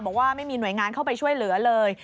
บอกว่าไม่มีหน่วยงานเข้าไปช่วยเหลือเลย